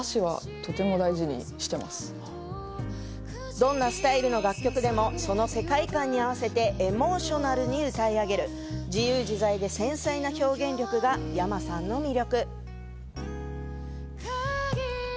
どんなスタイルの楽曲でもその世界観に合わせてエモーショナルに歌い上げる自由自在で繊細な表現力がｙａｍａさんの魅力。